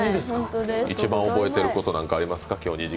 一番覚えていること、何かありますか？